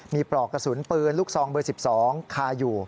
มีปลอกกระสุนปืนลูกซองเบอร์๑๒คาอยู่